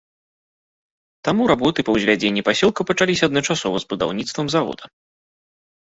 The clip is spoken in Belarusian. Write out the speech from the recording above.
Таму работы па ўзвядзенні пасёлка пачаліся адначасова з будаўніцтвам завода.